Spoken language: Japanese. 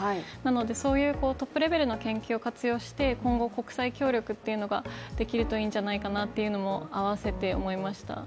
そういうトップレベルの研究を活用して、今後、国際協力というのができるといいんじゃないかなというのも合わせて思いました。